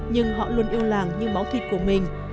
nhưng họ luôn yêu làng như máu thịt của mình